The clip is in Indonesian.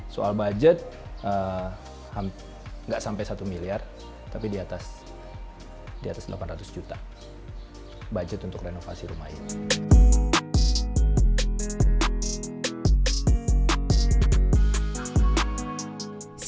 soal budget nggak sampai satu miliar tapi di atas delapan ratus juta budget untuk renovasi rumah ini